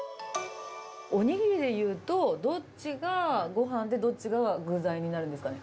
お握りでいうと、どっちがごはんで、どちらが具材になるんですかね。